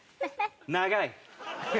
長い。